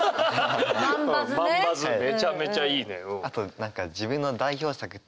めちゃめちゃいいねうん。